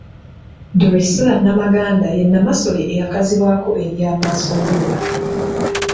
Drusilla Namaganda ye Namasole eyakazibwako erya Maasombira.